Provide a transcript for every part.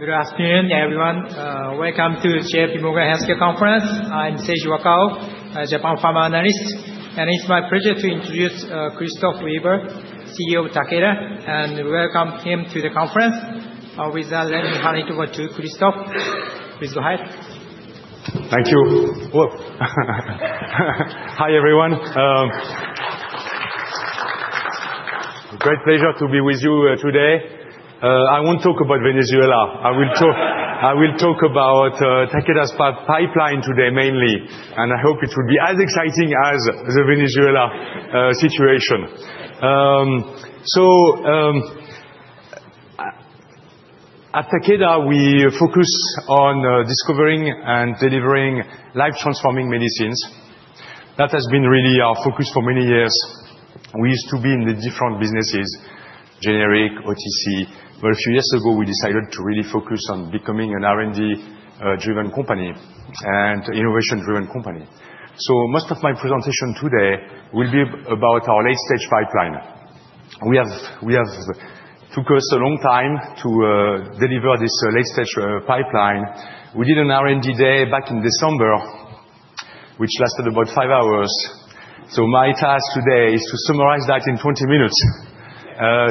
Good afternoon, everyone. Welcome to the J.P. Morgan Healthcare Conference. I'm Seiji Wakao, a Japan pharma analyst, and it's my pleasure to introduce Christophe Weber, CEO of Takeda, and welcome him to the conference. With that, let me hand it over to Christophe. Please go ahead. Thank you. Hi, everyone. Great pleasure to be with you today. I won't talk about Venezuela. I will talk about Takeda's pipeline today mainly, and I hope it will be as exciting as the Venezuela situation. So, at Takeda, we focus on discovering and delivering life-transforming medicines. That has been really our focus for many years. We used to be in the different businesses: generic, OTC, but a few years ago, we decided to really focus on becoming an R&D-driven company and innovation-driven company. So, most of my presentation today will be about our late-stage pipeline. It took us a long time to deliver this late-stage pipeline. We did an R&D Day back in December, which lasted about five hours. So, my task today is to summarize that in 20 minutes.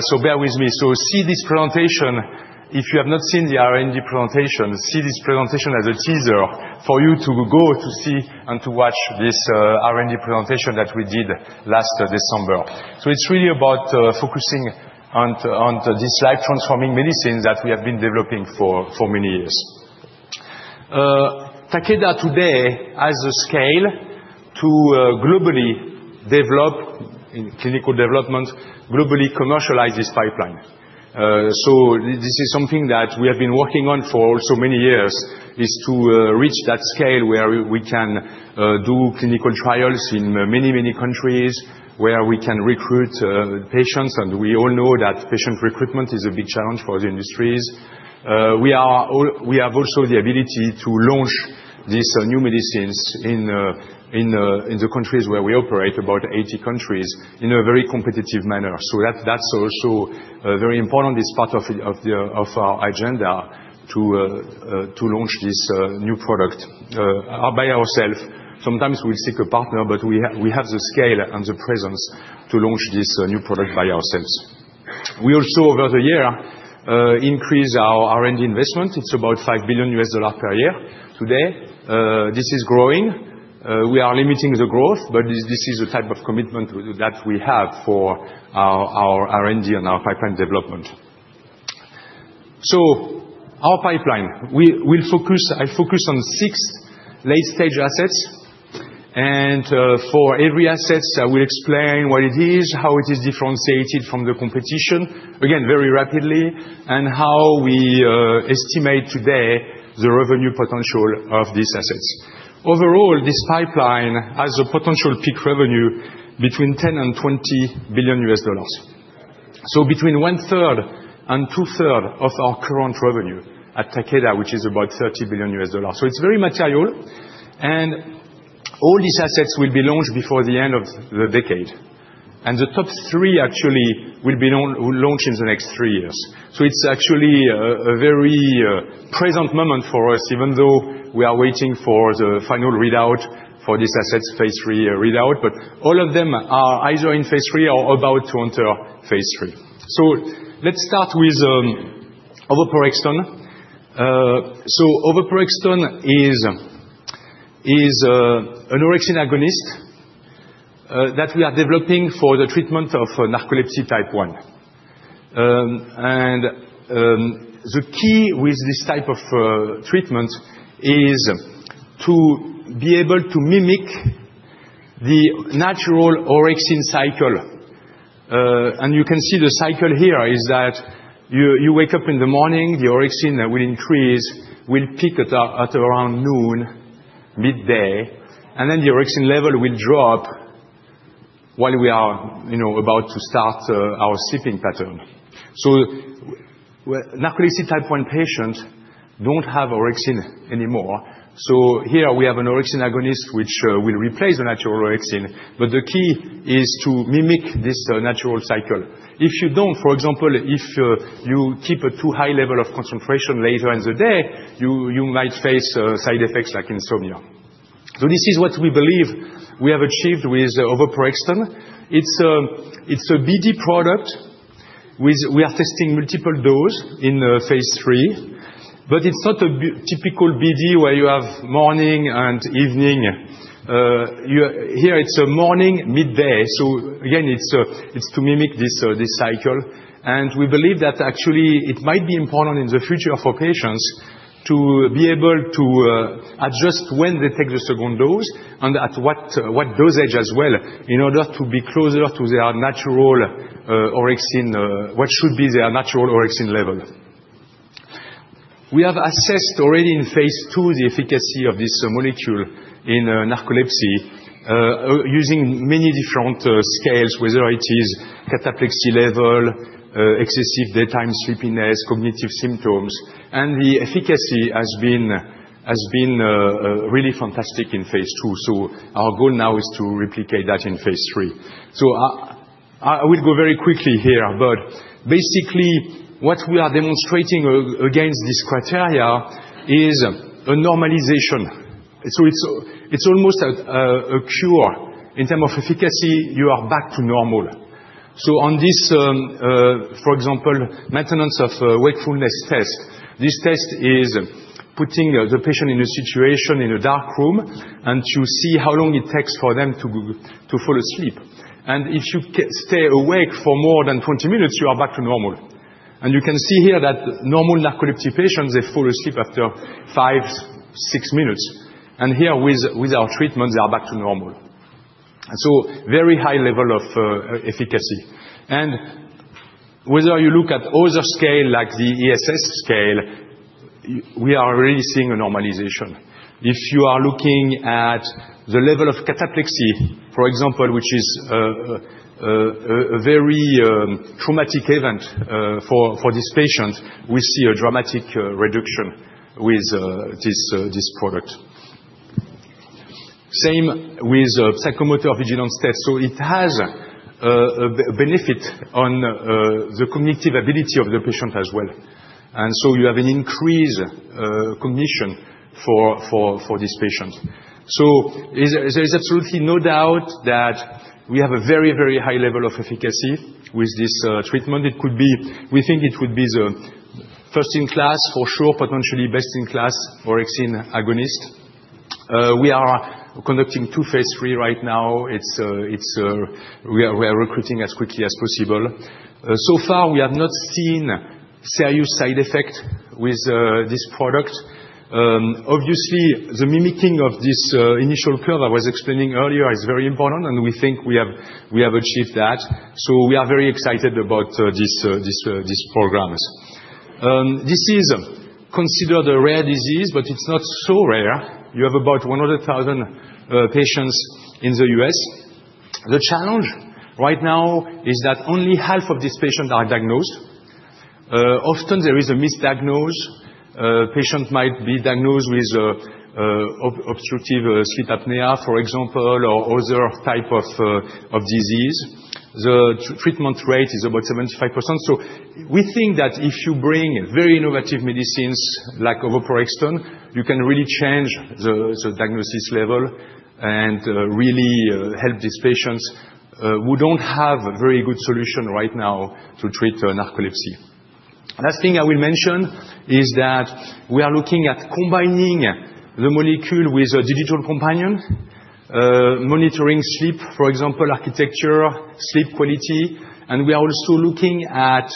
So, bear with me. So, see this presentation. If you have not seen the R&D presentation, see this presentation as a teaser for you to go to see and to watch this R&D presentation that we did last December. So, it's really about focusing on these life-transforming medicines that we have been developing for many years. Takeda today has a scale to globally develop, in clinical development, globally commercialize this pipeline. So, this is something that we have been working on for so many years, is to reach that scale where we can do clinical trials in many, many countries where we can recruit patients. And we all know that patient recruitment is a big challenge for the industries. We have also the ability to launch these new medicines in the countries where we operate, about 80 countries, in a very competitive manner. So, that's also very important. It's part of our agenda to launch this new product by ourselves. Sometimes we'll seek a partner, but we have the scale and the presence to launch this new product by ourselves. We also, over the year, increased our R&D investment. It's about $5 billion per year. Today, this is growing. We are limiting the growth, but this is the type of commitment that we have for our R&D and our pipeline development. Our pipeline, I focus on six late-stage assets. For every asset, I will explain what it is, how it is differentiated from the competition, again, very rapidly, and how we estimate today the revenue potential of these assets. Overall, this pipeline has a potential peak revenue between $10 billion and $20 billion. Between one-third and two-thirds of our current revenue at Takeda, which is about $30 billion. It's very material. All these assets will be launched before the end of the decade. The top three, actually, will be launched in the next three years. It's actually a very present moment for us, even though we are waiting for the final readout for these assets, phase III readout. All of them are either in phase III or about to enter phase III. Let's start with TAK-861. TAK-861 is an orexin agonist that we are developing for the treatment of narcolepsy type 1. The key with this type of treatment is to be able to mimic the natural orexin cycle. You can see the cycle here is that you wake up in the morning, the orexin will increase, will peak at around noon, midday, and then the orexin level will drop while we are about to start our sleeping pattern. Narcolepsy type 1 patients don't have orexin anymore. So, here we have an orexin agonist which will replace the natural orexin. But the key is to mimic this natural cycle. If you don't, for example, if you keep a too high level of concentration later in the day, you might face side effects like insomnia. So, this is what we believe we have achieved with oveporexton. It's a BD product. We are testing multiple doses in phase III. But it's not a typical BD where you have morning and evening. Here, it's morning, midday. So, again, it's to mimic this cycle. And we believe that actually it might be important in the future for patients to be able to adjust when they take the second dose and at what dosage as well, in order to be closer to their natural orexin, what should be their natural orexin level. We have assessed already in phase II the efficacy of this molecule in narcolepsy using many different scales, whether it is cataplexy level, excessive daytime sleepiness, cognitive symptoms. And the efficacy has been really fantastic in phase II. So, our goal now is to replicate that in phase III. So, I will go very quickly here, but basically, what we are demonstrating against this criteria is a normalization. So, it's almost a cure. In terms of efficacy, you are back to normal. So, on this, for example, Maintenance of Wakefulness Test, this test is putting the patient in a situation in a dark room and to see how long it takes for them to fall asleep. And if you stay awake for more than 20 minutes, you are back to normal. And you can see here that normal narcoleptic patients, they fall asleep after five, six minutes. And here, with our treatment, they are back to normal. So, very high level of efficacy. And whether you look at other scales like the ESS scale, we are really seeing a normalization. If you are looking at the level of cataplexy, for example, which is a very traumatic event for this patient, we see a dramatic reduction with this product. Same with Psychomotor Vigilance Test. So, it has a benefit on the cognitive ability of the patient as well. And so, you have an increased cognition for this patient. So, there is absolutely no doubt that we have a very, very high level of efficacy with this treatment. We think it would be the first in class, for sure, potentially best in class orexin agonist. We are conducting two phase III right now. We are recruiting as quickly as possible. So far, we have not seen serious side effects with this product. Obviously, the mimicking of this initial curve I was explaining earlier is very important, and we think we have achieved that. So, we are very excited about these programs. This is considered a rare disease, but it's not so rare. You have about 100,000 patients in the U.S. The challenge right now is that only half of these patients are diagnosed. Often, there is a misdiagnosis. Patients might be diagnosed with obstructive sleep apnea, for example, or other types of disease. The treatment rate is about 75%. So, we think that if you bring very innovative medicines like oveporexton, you can really change the diagnosis level and really help these patients who don't have a very good solution right now to treat narcolepsy. Last thing I will mention is that we are looking at combining the molecule with a digital companion, monitoring sleep, for example, architecture, sleep quality. We are also looking at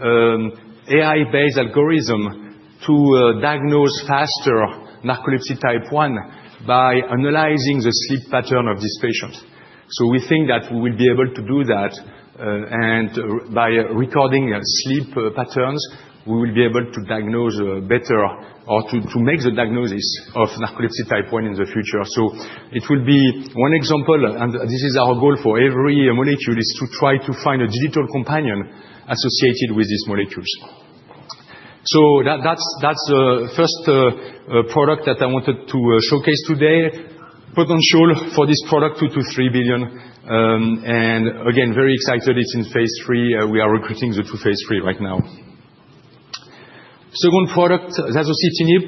an AI-based algorithm to diagnose faster narcolepsy type 1 by analyzing the sleep pattern of this patient. We think that we will be able to do that. By recording sleep patterns, we will be able to diagnose better or to make the diagnosis of narcolepsy type 1 in the future. It will be one example, and this is our goal for every molecule, is to try to find a digital companion associated with these molecules. That's the first product that I wanted to showcase today. Potential for this product, $2 billion-$3 billion. Again, very excited. It's in phase III. We are recruiting the two phase III right now. Second product, zasocitinib.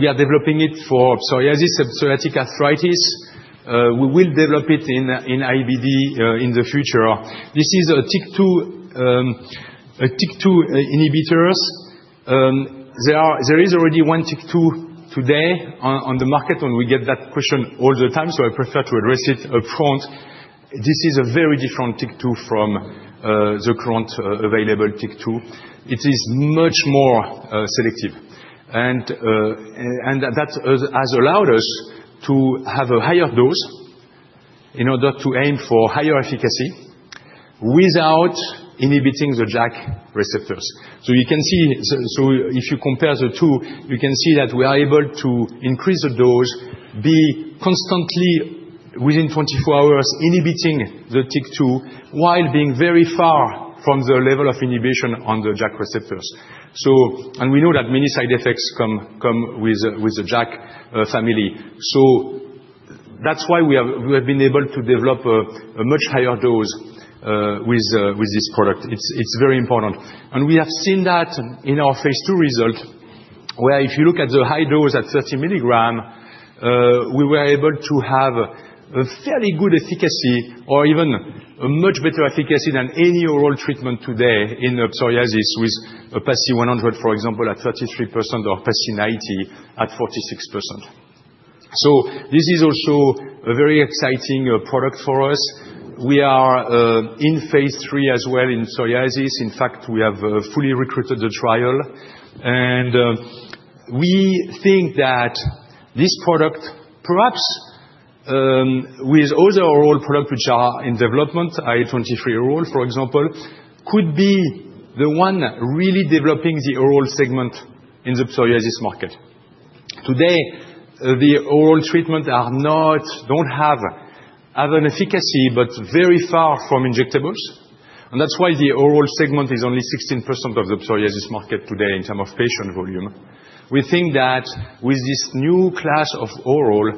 We are developing it for psoriasis, psoriatic arthritis. We will develop it in IBD in the future. This is a TYK2 inhibitor. There is already one TYK2 today on the market, and we get that question all the time, so I prefer to address it upfront. This is a very different TYK2 from the current available TYK2. It is much more selective, and that has allowed us to have a higher dose in order to aim for higher efficacy without inhibiting the JAK receptors. You can see, if you compare the two, you can see that we are able to increase the dose, be constantly within 24 hours inhibiting the TYK2 while being very far from the level of inhibition on the JAK receptors, and we know that many side effects come with the JAK family. That's why we have been able to develop a much higher dose with this product. It's very important. We have seen that in our phase II result, where if you look at the high dose at 30 milligrams, we were able to have a fairly good efficacy or even a much better efficacy than any oral treatment today in psoriasis with a PASI 100, for example, at 33% or PASI 90 at 46%. This is also a very exciting product for us. We are in phase III as well in psoriasis. In fact, we have fully recruited the trial. We think that this product, perhaps with other oral products which are in development, IL-23 oral, for example, could be the one really developing the oral segment in the psoriasis market. Today, the oral treatments don't have an efficacy, but very far from injectables. And that's why the oral segment is only 16% of the psoriasis market today in terms of patient volume. We think that with this new class of oral,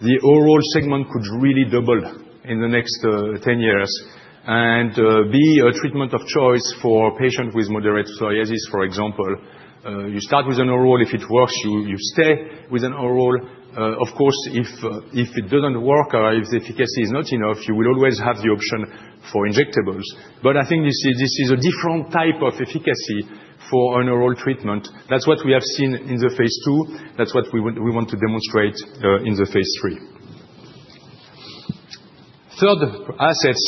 the oral segment could really double in the next 10 years and be a treatment of choice for patients with moderate psoriasis, for example. You start with an oral. If it works, you stay with an oral. Of course, if it doesn't work or if the efficacy is not enough, you will always have the option for injectables. But I think this is a different type of efficacy for an oral treatment. That's what we have seen in the phase II. That's what we want to demonstrate in the phase III. Third asset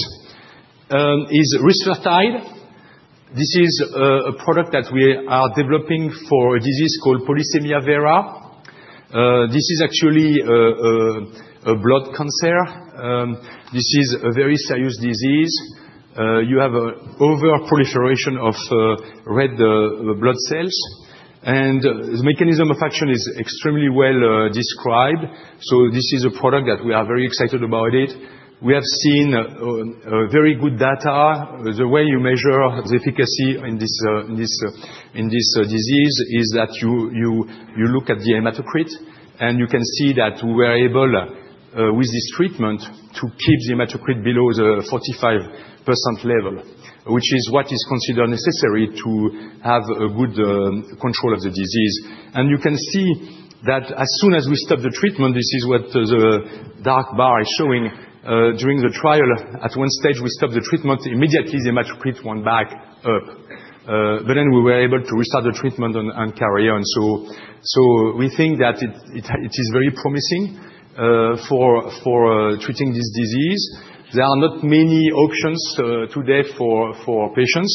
is rusfertide. This is a product that we are developing for a disease called polycythemia vera. This is actually a blood cancer. This is a very serious disease. You have an overproliferation of red blood cells. And the mechanism of action is extremely well described. So, this is a product that we are very excited about. We have seen very good data. The way you measure the efficacy in this disease is that you look at the hematocrit, and you can see that we are able, with this treatment, to keep the hematocrit below the 45% level, which is what is considered necessary to have good control of the disease. And you can see that as soon as we stop the treatment, this is what the dark bar is showing. During the trial, at one stage, we stopped the treatment. Immediately, the hematocrit went back up. But then we were able to restart the treatment and carry on. So, we think that it is very promising for treating this disease. There are not many options today for patients.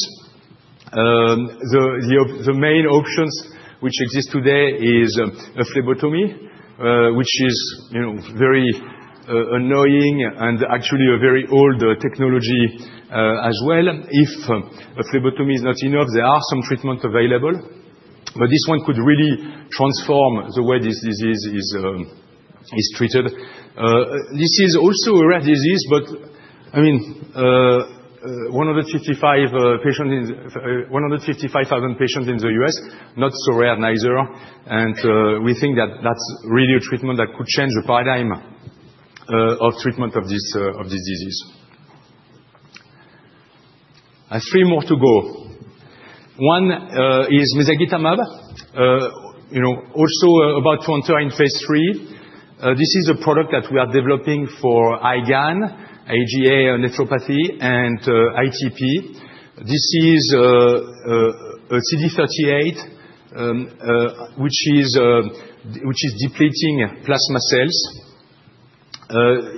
The main options which exist today is a phlebotomy, which is very annoying and actually a very old technology as well. If a phlebotomy is not enough, there are some treatments available. But this one could really transform the way this disease is treated. This is also a rare disease, but I mean, 155,000 patients in the U.S., not so rare neither, and we think that that's really a treatment that could change the paradigm of treatment of this disease. I have three more to go. One is mezagitamab, also about to enter in phase III. This is a product that we are developing for IgAN, IgA nephropathy, and ITP. This is a CD38, which is depleting plasma cells.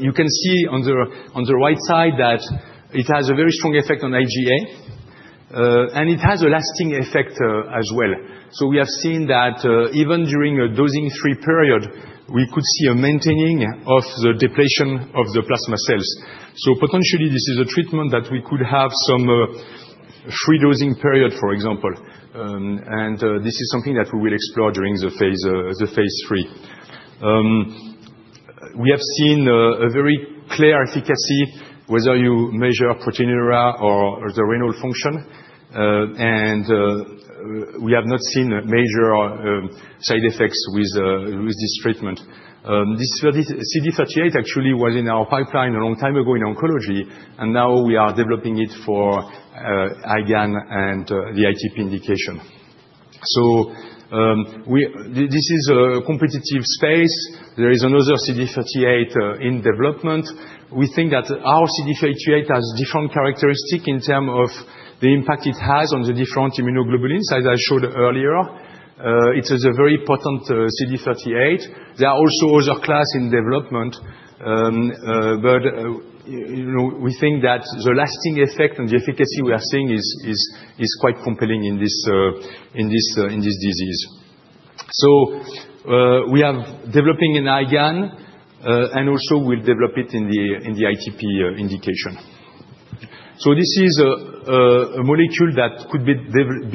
You can see on the right side that it has a very strong effect on IgA, and it has a lasting effect as well. We have seen that even during a dosing-free period, we could see a maintaining of the depletion of the plasma cells. Potentially, this is a treatment that we could have some dosing-free period, for example. This is something that we will explore during the phase III. We have seen a very clear efficacy, whether you measure proteinuria or the renal function. We have not seen major side effects with this treatment. This CD38 actually was in our pipeline a long time ago in oncology. Now we are developing it for IgAN and the ITP indication. This is a competitive space. There is another CD38 in development. We think that our CD38 has different characteristics in terms of the impact it has on the different immunoglobulins, as I showed earlier. It is a very potent CD38. There are also other classes in development. But we think that the lasting effect and the efficacy we are seeing is quite compelling in this disease. So, we are developing an IgAN, and also we'll develop it in the ITP indication. So, this is a molecule that could be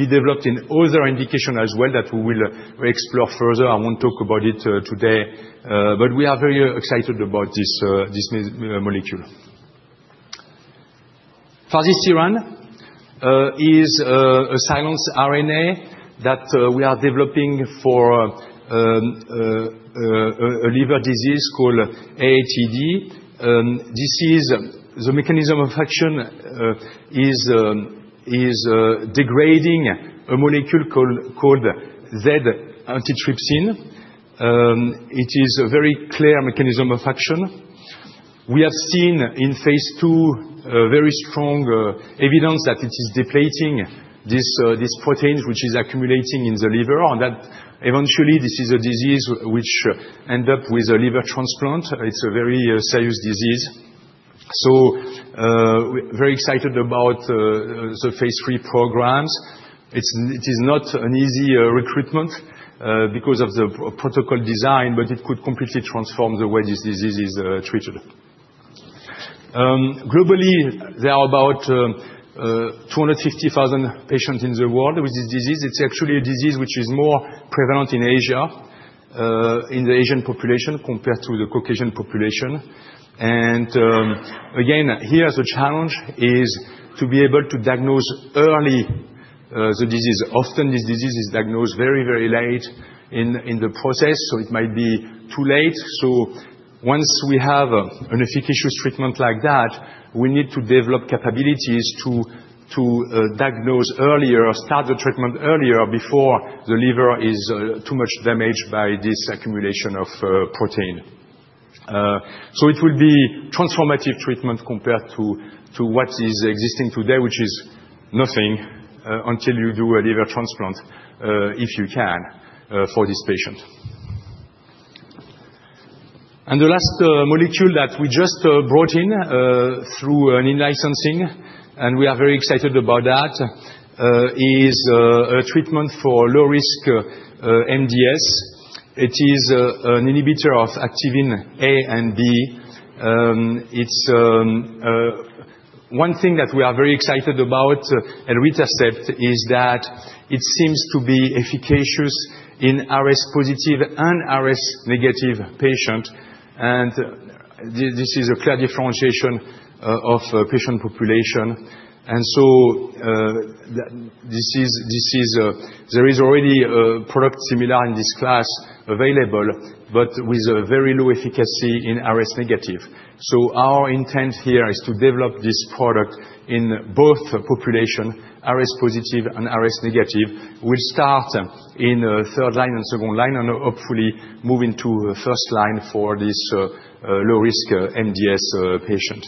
developed in other indications as well that we will explore further. I won't talk about it today. But we are very excited about this molecule. fazirsiran is a siRNA that we are developing for a liver disease called AATD. This is the mechanism of action is degrading a molecule called Z-antitrypsin. It is a very clear mechanism of action. We have seen in phase II very strong evidence that it is depleting this protein which is accumulating in the liver. And that eventually, this is a disease which ends up with a liver transplant. It's a very serious disease. Very excited about the phase III programs. It is not an easy recruitment because of the protocol design, but it could completely transform the way this disease is treated. Globally, there are about 250,000 patients in the world with this disease. It's actually a disease which is more prevalent in Asia, in the Asian population, compared to the Caucasian population. Again, here, the challenge is to be able to diagnose early the disease. Often, this disease is diagnosed very, very late in the process, so it might be too late. Once we have an efficacious treatment like that, we need to develop capabilities to diagnose earlier, start the treatment earlier before the liver is too much damaged by this accumulation of protein. So, it will be a transformative treatment compared to what is existing today, which is nothing until you do a liver transplant, if you can, for this patient. And the last molecule that we just brought in through an in-licensing, and we are very excited about that, is a treatment for low-risk MDS. It is an inhibitor of Activin A and B. One thing that we are very excited about at elritercept is that it seems to be efficacious in RS-positive and RS-negative patients. And this is a clear differentiation of patient population. And so, there is already a product similar in this class available, but with a very low efficacy in RS-negative. So, our intent here is to develop this product in both populations, RS-positive and RS-negative. We'll start in third line and second line, and hopefully move into first line for this low-risk MDS patient.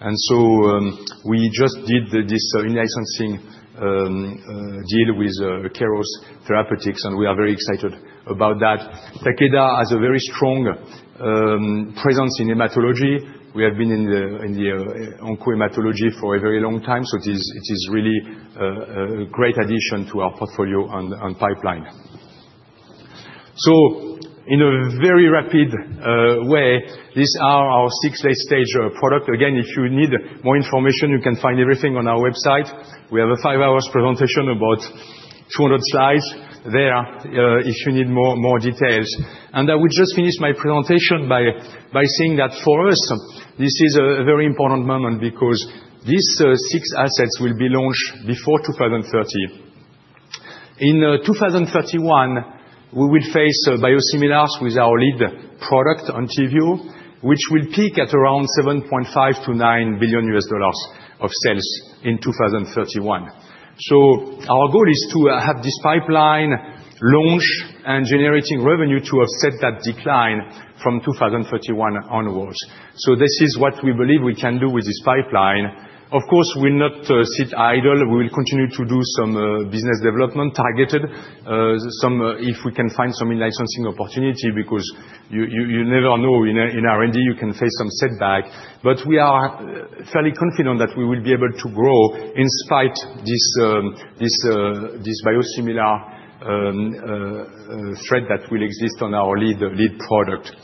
And so, we just did this in-licensing deal with Keros Therapeutics, and we are very excited about that. Takeda has a very strong presence in hematology. We have been in the oncohematology for a very long time. So, it is really a great addition to our portfolio and pipeline. So, in a very rapid way, these are our six late-stage products. Again, if you need more information, you can find everything on our website. We have a five-hour presentation about 200 slides there if you need more details. And I will just finish my presentation by saying that for us, this is a very important moment because these six assets will be launched before 2030. In 2031, we will face biosimilars with our lead product, Entyvio, which will peak at around $7.5 billion-$9 billion of sales in 2031. So, our goal is to have this pipeline launch and generating revenue to offset that decline from 2031 onwards. So, this is what we believe we can do with this pipeline. Of course, we'll not sit idle. We will continue to do some business development targeted, if we can find some in-licensing opportunity, because you never know. In R&D, you can face some setback. But we are fairly confident that we will be able to grow in spite of this biosimilar threat that will exist on our lead product.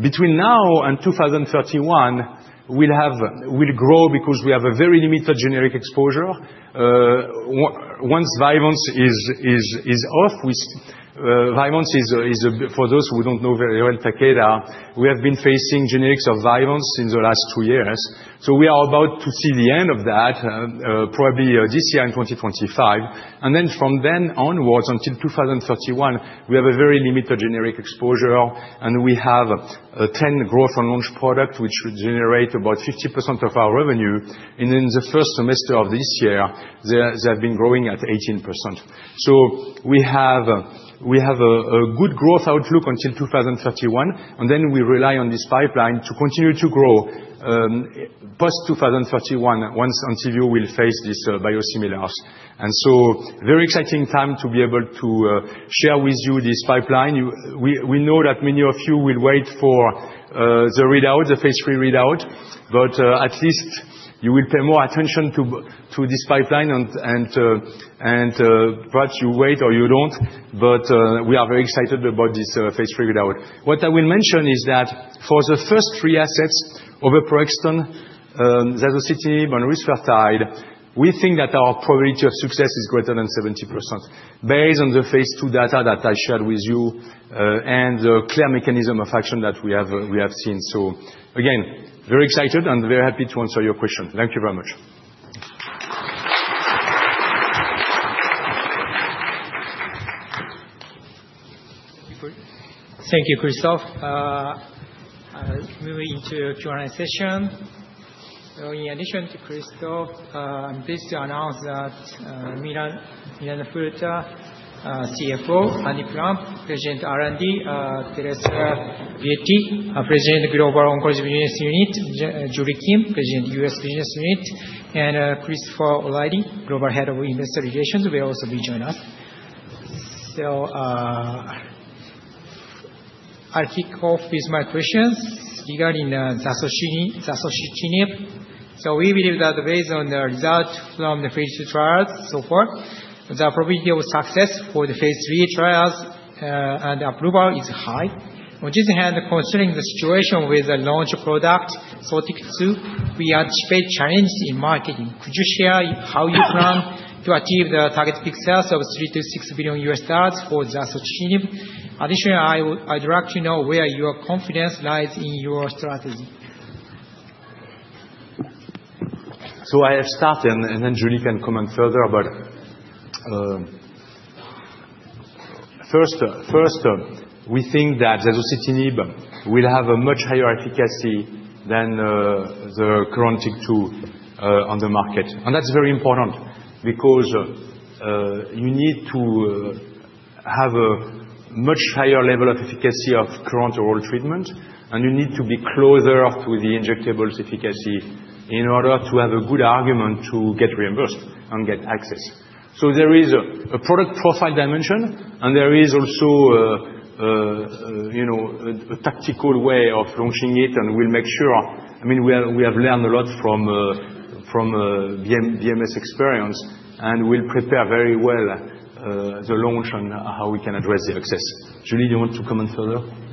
Between now and 2031, we'll grow because we have a very limited generic exposure. Once Vyvanse is off, Vyvanse is, for those who don't know very well Takeda, we have been facing generics of Vyvanse in the last two years. So, we are about to see the end of that, probably this year in 2025. And then from then onwards until 2031, we have a very limited generic exposure. And we have 10 growth and launch products which generate about 50% of our revenue. And in the first semester of this year, they have been growing at 18%. So, we have a good growth outlook until 2031. And then we rely on this pipeline to continue to grow post-2031 once Entyvio will face these biosimilars. And so, very exciting time to be able to share with you this pipeline. We know that many of you will wait for the readout, the phase III readout. But at least you will pay more attention to this pipeline. And perhaps you wait or you don't. But we are very excited about this phase III readout. What I will mention is that for the first three assets, oveporexton, zasocitinib, and rusfertide, we think that our probability of success is greater than 70%, based on the phase II data that I shared with you and the clear mechanism of action that we have seen. So, again, very excited and very happy to answer your question. Thank you very much. Thank you, Christophe. Moving into Q&A session. In addition to Christophe, I'm pleased to announce that Milano Furuta, CFO, Andy Plump, President R&D, Teresa Bitetti, President Global Oncology Business Unit, Julie Kim, President U.S. Business Unit, and Christopher O'Reilly, Global Head of Investor Relations, will also be joining us. So, I'll kick off with my questions regarding zasocitinib. So, we believe that based on the results from the phase II trials so far, the probability of success for the phase III trials and approval is high. On the other hand, considering the situation with the launch product, Sotyktu, we anticipate challenges in marketing. Could you share how you plan to achieve the target fixed sales of $3 billion-$6 billion for zasocitinib? Additionally, I'd like to know where your confidence lies in your strategy. I'll start, and then Julie can comment further. But first, we think that zasocitinib will have a much higher efficacy than the current two on the market. That's very important because you need to have a much higher level of efficacy of current oral treatment. You need to be closer to the injectable's efficacy in order to have a good argument to get reimbursed and get access. There is a product profile dimension. There is also a tactical way of launching it. We'll make sure I mean, we have learned a lot from BMS experience. We'll prepare very well the launch and how we can address the access. Julie, do you want to comment further?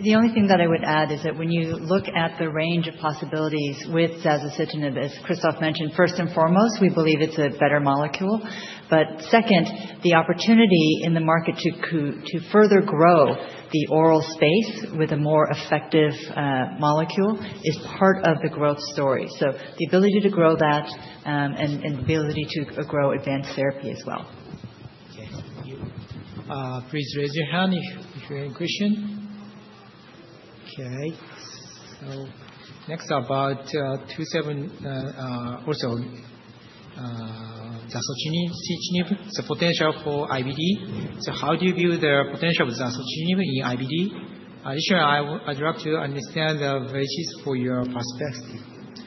The only thing that I would add is that when you look at the range of possibilities with zasocitinib, as Christophe mentioned, first and foremost, we believe it's a better molecule. But second, the opportunity in the market to further grow the oral space with a more effective molecule is part of the growth story. So, the ability to grow that and the ability to grow advanced therapy as well. Okay. Thank you. Please raise your hand if you have a question. Okay. So, next about zasocitinib, the potential for IBD. So, how do you view the potential of zasocitinib in IBD? Additionally, I'd like to understand the basis for your prospects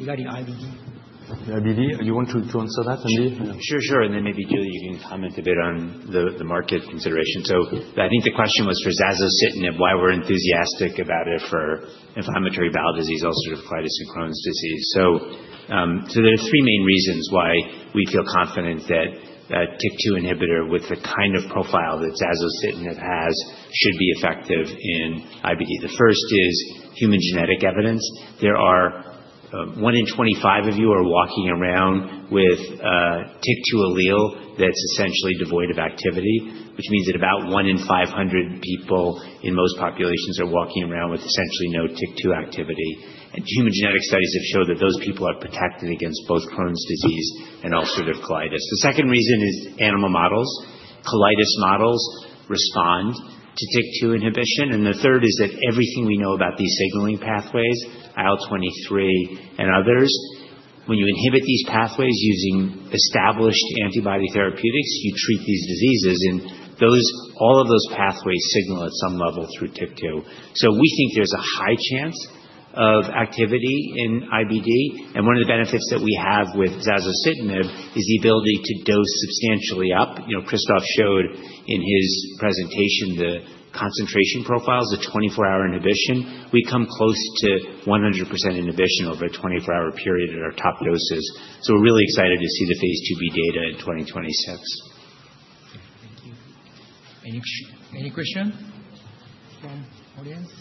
regarding IBD. IBD? You want to answer that, Andy? Sure, sure. And then maybe Julie, you can comment a bit on the market consideration. So, I think the question was for zasocitinib, why we're enthusiastic about it for inflammatory bowel disease, ulcerative colitis, and Crohn's disease. So, there are three main reasons why we feel confident that a TYK2 inhibitor with the kind of profile that zasocitinib has should be effective in IBD. The first is human genetic evidence. There are one in 25 of you who are walking around with TYK2 allele that's essentially devoid of activity, which means that about one in 500 people in most populations are walking around with essentially no TYK2 activity. And human genetic studies have shown that those people are protected against both Crohn's disease and ulcerative colitis. The second reason is animal models. Colitis models respond to TYK2 inhibition. And the third is that everything we know about these signaling pathways, IL-23 and others, when you inhibit these pathways using established antibody therapeutics, you treat these diseases. And all of those pathways signal at some level through TYK2. So, we think there's a high chance of activity in IBD. And one of the benefits that we have with zasocitinib is the ability to dose substantially up. Christoph showed in his presentation the concentration profiles, the 24-hour inhibition. We come close to 100% inhibition over a 24-hour period at our top doses. So, we're really excited to see the phase IIb data in 2026. Thank you. Any question from the audience?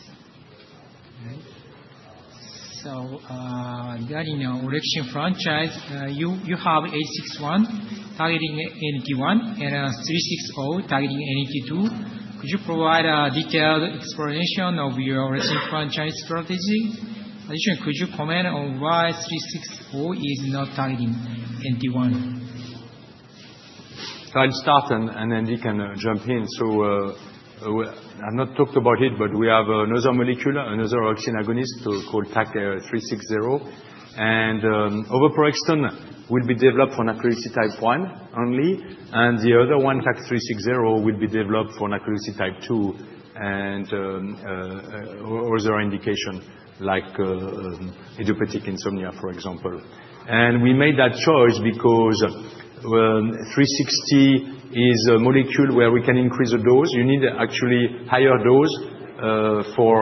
All right. So, regarding our orexin franchise, you have TAK-861 targeting NT1 and TAK-360 targeting NT2. Could you provide a detailed explanation of your orexin franchise strategy? Additionally, could you comment on why TAK-360 is not targeting NT1? So, I'll start, and Andy can jump in. So, I've not talked about it, but we have another molecule, another orexin agonist called TAK-360. And TAK-861 will be developed for narcolepsy type 1 only. And the other one, TAK-360, will be developed for narcolepsy type 2 and other indications, like idiopathic insomnia, for example. And we made that choice because TAK-360 is a molecule where we can increase the dose. You need actually a higher dose for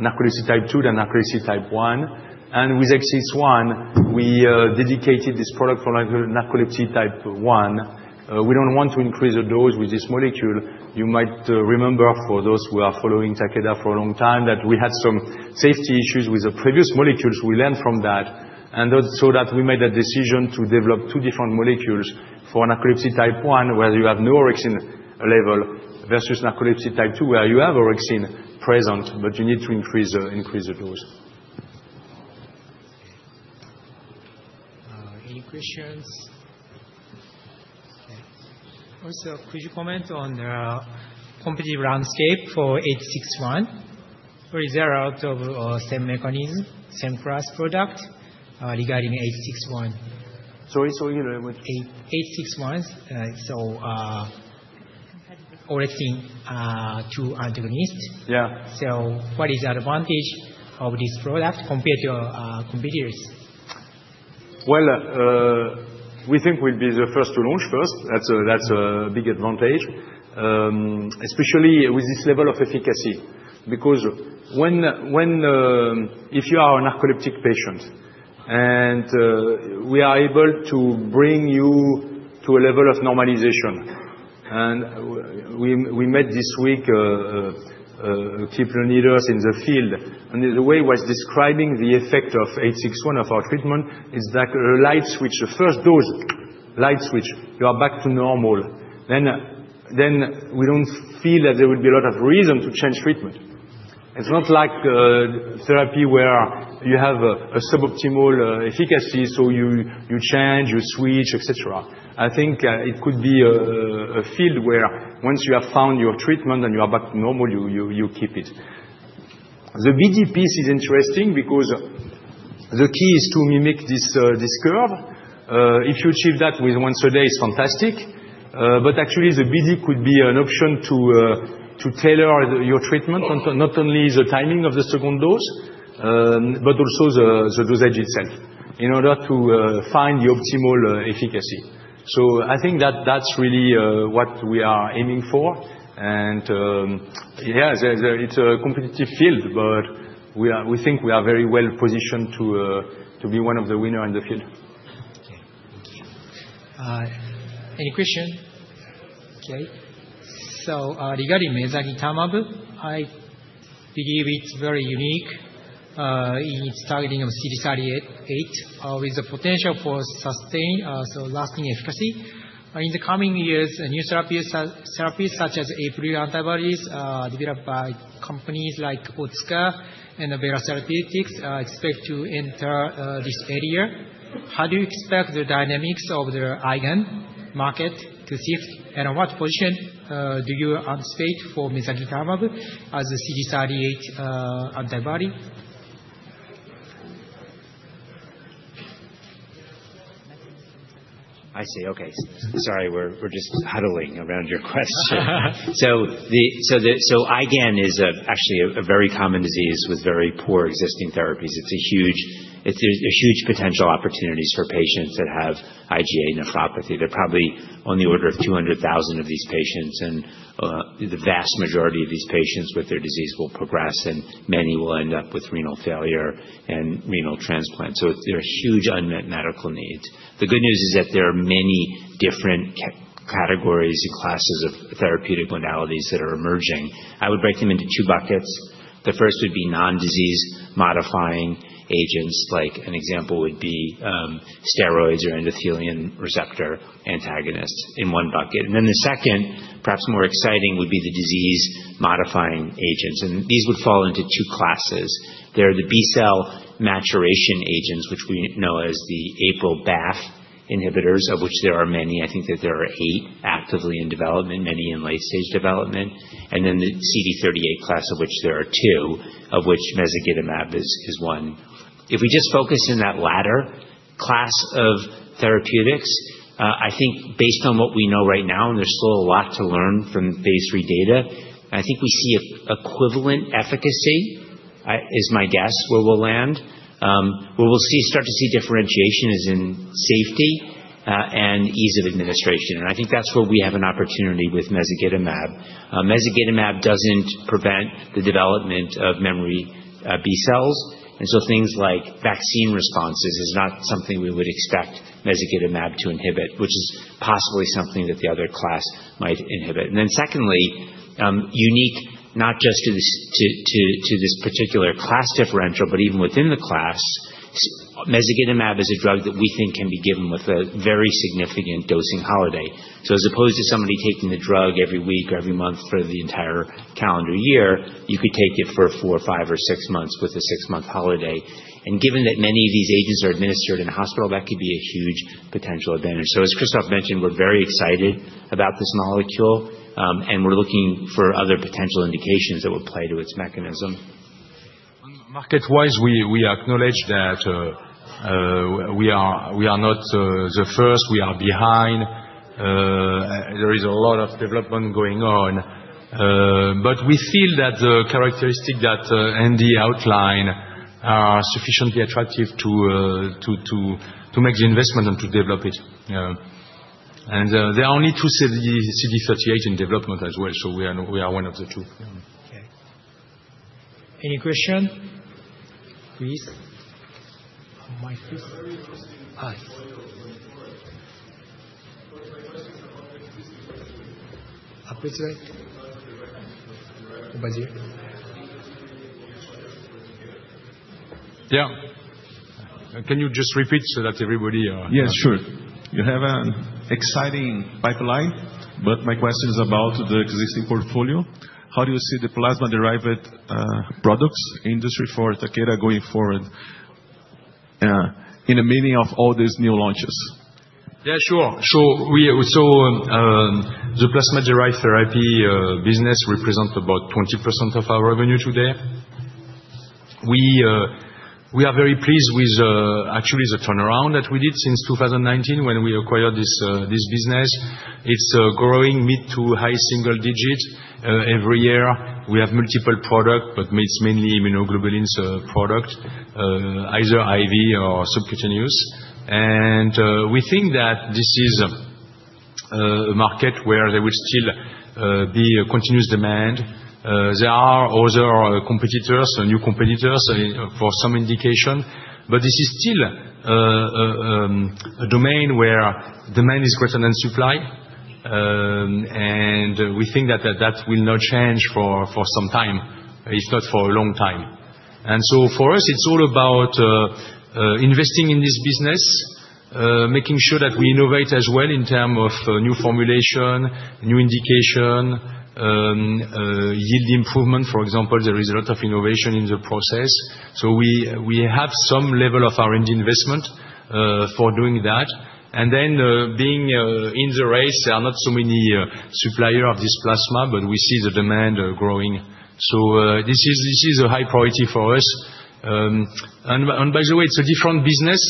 narcolepsy type 2 than narcolepsy type 1. And with TAK-861, we dedicated this product for narcolepsy type 1. We don't want to increase the dose with this molecule. You might remember, for those who are following Takeda for a long time, that we had some safety issues with the previous molecules. We learned from that. And so, that we made that decision to develop two different molecules for narcolepsy type 1, where you have no orexin level, versus narcolepsy type 2, where you have orexin present, but you need to increase the dose. Any questions? Okay. Also, could you comment on the competitive landscape for TAK-861? Or is there a lot of same mechanism, same price product regarding TAK-861? Sorry. So. TAK-861, so orexin 2 agonist. Yeah. So, what is the advantage of this product compared to your competitors? We think we'll be the first to launch first. That's a big advantage, especially with this level of efficacy. Because if you are a narcoleptic patient, and we are able to bring you to a level of normalization. We met this week with leaders in the field. The way he was describing the effect of TAK-861, of our treatment, is that the light switch, the first dose, light switch, you are back to normal. Then we don't feel that there would be a lot of reason to change treatment. It's not like therapy where you have a suboptimal efficacy, so you change, you switch, et cetera. I think it could be a field where once you have found your treatment and you are back to normal, you keep it. The BD piece is interesting because the key is to mimic this curve. If you achieve that with once a day, it's fantastic. But actually, the BD could be an option to tailor your treatment, not only the timing of the second dose, but also the dosage itself, in order to find the optimal efficacy. So, I think that that's really what we are aiming for. And yeah, it's a competitive field. But we think we are very well positioned to be one of the winners in the field. Okay. Thank you. Any questions? Okay. So, regarding mezagitamab, I believe it's very unique in its targeting of CD38, with the potential for sustained lasting efficacy. In the coming years, new therapies such as APRIL antibodies developed by companies like Otsuka and Vera Therapeutics are expected to enter this area. How do you expect the dynamics of the IgAN market to shift? And what position do you anticipate for mezagitamab as a CD38 antibody? I see. Okay. Sorry. We're just huddling around your question. So, IgAN is actually a very common disease with very poor existing therapies. It's a huge potential opportunities for patients that have IgA nephropathy. There are probably on the order of 200,000 of these patients. And the vast majority of these patients with their disease will progress. And many will end up with renal failure and renal transplant. So, there are huge unmet medical needs. The good news is that there are many different categories and classes of therapeutic modalities that are emerging. I would break them into two buckets. The first would be non-disease modifying agents. Like an example would be steroids or endothelin receptor antagonists in one bucket. And then the second, perhaps more exciting, would be the disease modifying agents. And these would fall into two classes. There are the B-cell maturation agents, which we know as the APRIL-BAFF inhibitors, of which there are many. I think that there are eight actively in development, many in late-stage development. And then the CD38 class, of which there are two, of which mezagitamab is one. If we just focus in that latter class of therapeutics, I think based on what we know right now, and there's still a lot to learn from phase III data, I think we see equivalent efficacy is my guess where we'll land. Where we'll start to see differentiation is in safety and ease of administration. And I think that's where we have an opportunity with mezagitamab. Mezagitamab doesn't prevent the development of memory B-cells. And so, things like vaccine responses is not something we would expect mezagitamab to inhibit, which is possibly something that the other class might inhibit. And then secondly, unique not just to this particular class differential, but even within the class, mezagitamab is a drug that we think can be given with a very significant dosing holiday. So, as opposed to somebody taking the drug every week or every month for the entire calendar year, you could take it for four, five, or six months with a six-month holiday. And given that many of these agents are administered in a hospital, that could be a huge potential advantage. So, as Christophe mentioned, we're very excited about this molecule. And we're looking for other potential indications that would play to its mechanism. Market-wise, we acknowledge that we are not the first. We are behind. There is a lot of development going on, but we feel that the characteristics that Andy outlined are sufficiently attractive to make the investment and to develop it, and there are only two CD38 in development as well, so we are one of the two. Okay. Any question? Please. Yeah. Can you just repeat so that everybody? Yes, sure. You have an exciting pipeline. But my question is about the existing portfolio. How do you see the plasma-derived products industry for Takeda going forward in the midst of all these new launches? Yeah, sure. So, the plasma-derived therapy business represents about 20% of our revenue today. We are very pleased with actually the turnaround that we did since 2019 when we acquired this business. It's growing mid to high single digits every year. We have multiple products, but it's mainly immunoglobulin products, either IV or subcutaneous. And we think that this is a market where there will still be continuous demand. There are other competitors, new competitors for some indication. But this is still a domain where demand is greater than supply. And we think that that will not change for some time, if not for a long time. And so, for us, it's all about investing in this business, making sure that we innovate as well in terms of new formulation, new indication, yield improvement. For example, there is a lot of innovation in the process. So, we have some level of R&D investment for doing that. And then being in the race, there are not so many suppliers of this plasma, but we see the demand growing. So, this is a high priority for us. And by the way, it's a different business.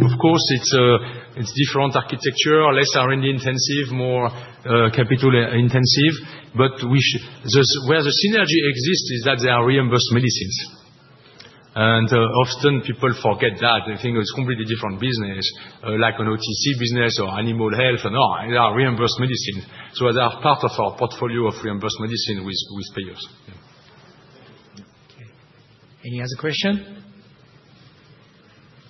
Of course, it's a different architecture, less R&D intensive, more capital intensive. But where the synergy exists is that there are reimbursed medicines. And often, people forget that. They think it's a completely different business, like an OTC business or animal health. No, there are reimbursed medicines. So, they are part of our portfolio of reimbursed medicine with payers. Okay. Any other question?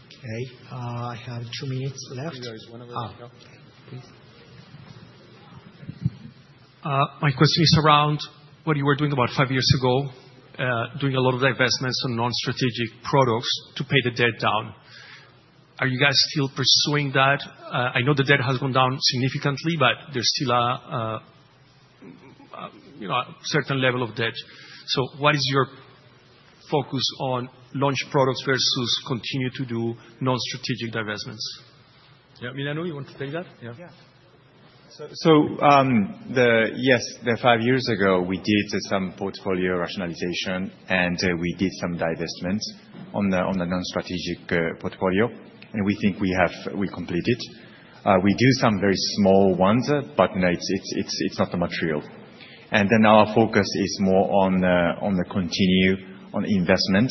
Okay. I have two minutes left. Yes. One other question. Okay. Please. My question is around what you were doing about five years ago, doing a lot of investments on non-strategic products to pay the debt down. Are you guys still pursuing that? I know the debt has gone down significantly, but there's still a certain level of debt. So, what is your focus on launch products versus continue to do non-strategic divestments? Yeah. Milano, you want to take that? Yeah. Yeah. So, yes, five years ago, we did some portfolio rationalization, and we did some divestments on the non-strategic portfolio, and we think we completed it. We do some very small ones, but it's not much real. Our focus is more on the continued investment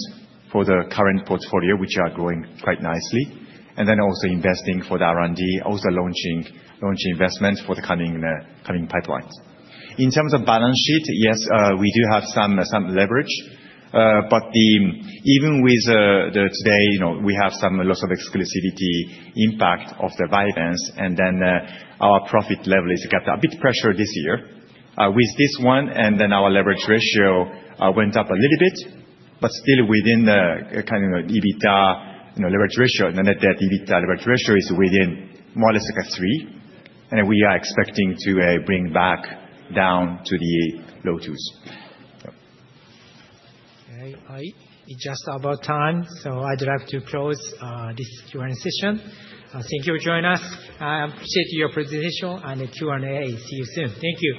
for the current portfolio, which are growing quite nicely, and then also investing for the R&D, also launching investments for the coming pipelines. In terms of balance sheet, yes, we do have some leverage. But even today, we have some loss of exclusivity impact of the Vyvanse, and then our profit level is kept a bit under pressure this year with this one. Our leverage ratio went up a little bit, but still within kind of EBITDA leverage ratio, and then that EBITDA leverage ratio is within more or less like a three. We are expecting to bring back down to the low 2s. Okay. Just about time. So, I'd like to close this Q&A session. Thank you for joining us. I appreciate your presentation and the Q&A. See you soon. Thank you.